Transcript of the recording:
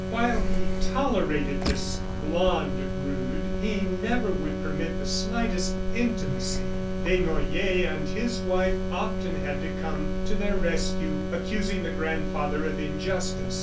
While he tolerated this blond brood, he never would permit the slightest intimacy. Desnoyers and his wife often had to come to their rescue, accusing the grandfather of injustice.